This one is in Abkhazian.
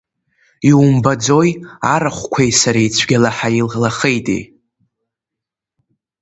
Иумбаӡои, арахәқәеи сареи цәгьала ҳаилахеитеи?!